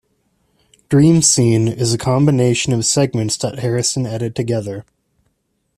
"Dream Scene" is a combination of segments that Harrison edited together.